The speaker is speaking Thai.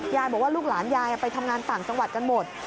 ยายบอกว่าลูกหลานยายไปทำงานต่างจังหวัดกันหมด